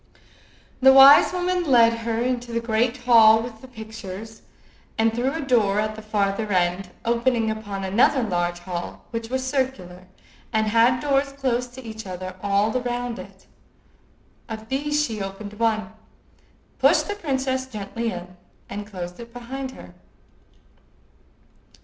The wise woman led her into the great hall with the pictures, and through a door at the farther end, opening upon another large hall, which was circular, and had doors close to each other all round it. Of these she opened one, pushed the princess gently in, and closed it behind her.